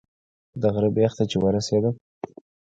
د غره بیخ ته چې ورسېدم.